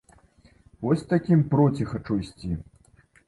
Вось такім проці хачу ісці!